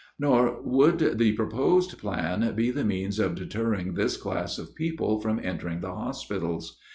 Nor would the proposed plan be the means of deterring this class of people from entering the hospitals.